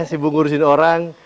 sibuk ngurusin orang